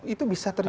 itu bisa terjadi